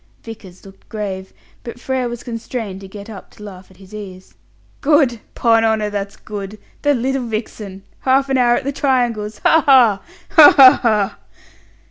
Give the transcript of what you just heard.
Vickers looked grave, but Frere was constrained to get up to laugh at his ease. "Good! 'Pon honour, that's good! The little vixen! Half an hour at the triangles! Ha ha! ha, ha, ha!"